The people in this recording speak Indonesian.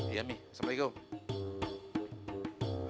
iya mi assalamualaikum